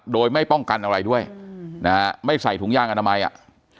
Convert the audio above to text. โดยไม่ป้องกันอะไรด้วยนะฮะไม่ใส่ถุงยางอนามัยอ่ะ